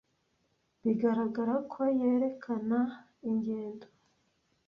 bigaragara ko yerekana ingendo,